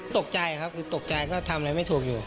ตกใจครับคือตกใจก็ทำอะไรไม่ถูกอยู่